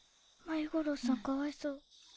繭五郎さんかわいそう。